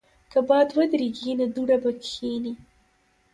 که باد ودریږي، نو دوړه به کښېني.